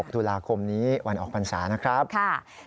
๑๖ตุลาคมนี้วันออกพันษานะครับค่ะใช่